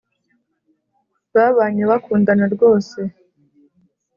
babanye bakundana rwose